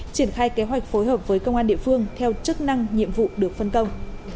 triển khai kế hoạch phối hợp với công an địa phương theo chức năng nhiệm vụ được phân công